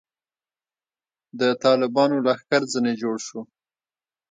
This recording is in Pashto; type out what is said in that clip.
د طالبانو لښکر ځنې جوړ شو.